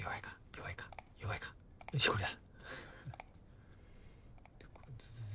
弱いか弱いかよしこれだ。